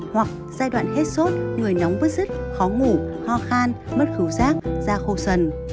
hoặc giai đoạn hết sốt người nóng vứt rứt khó ngủ ho khan mất khấu rác da khô sần